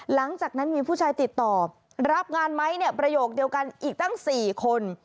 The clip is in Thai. หลังจากนั้นมีผู้ชายติดต่อรับงานไหมเนี่ยประโยคเดียวกันอีกตั้ง๔คน